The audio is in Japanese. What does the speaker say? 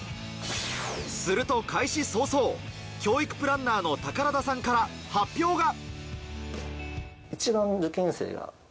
すると開始早々、教育プランナーの宝田さんから発表が。